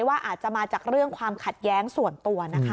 ว่าอาจจะมาจากเรื่องความขัดแย้งส่วนตัวนะคะ